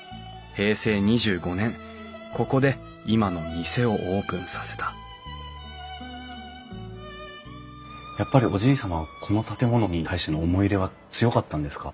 平成２５年ここで今の店をオープンさせたやっぱりおじい様はこの建物に対しての思い入れは強かったんですか？